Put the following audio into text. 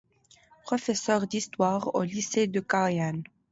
Professeur d’histoire au lycée de Caen.